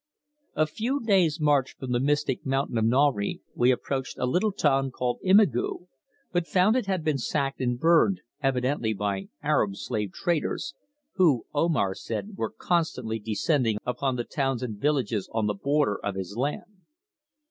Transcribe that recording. A few days' march from the mystic mountain of Nauri we approached a little town called Imigu, but found it had been sacked and burned, evidently by Arab slave raiders, who, Omar said, were constantly descending upon the towns and villages on the border of his land.